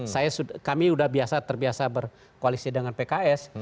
saya sudah kami sudah terbiasa berkoalisi dengan pks